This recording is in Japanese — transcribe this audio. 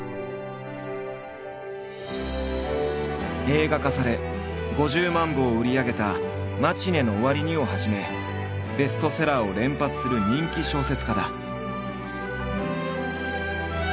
映画化され５０万部を売り上げた「マチネの終わりに」をはじめベストセラーを連発する人気小説家だ。